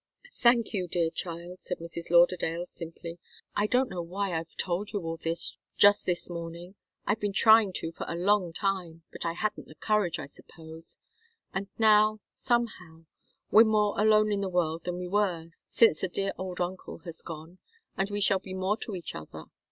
"Thank you, dear child," said Mrs. Lauderdale, simply. "I don't know why I've told you all this just this morning. I've been trying to for a long time. But I hadn't the courage, I suppose. And now somehow we're more alone in the world than we were, since the dear old uncle has gone and we shall be more to each other.